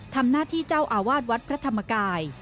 ทำหน้าที่เจ้าอาวาสวัดพระธรรมกาย